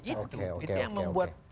itu itu yang membuat